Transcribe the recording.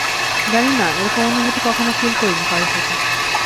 জানি না, এরকম অনুভূতি কখনও ফিল করিনি কারো প্রতি!